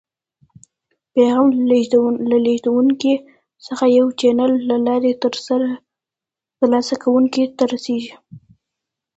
پیغام له لیږدونکي څخه د یو چینل له لارې تر لاسه کوونکي ته رسي.